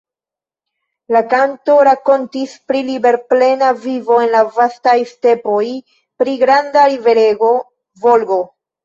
La kanto rakontis pri liberplena vivo en la vastaj stepoj, pri granda riverego Volgo.